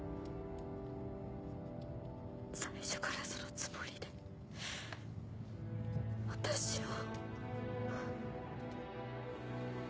最初からそのつもりで私を。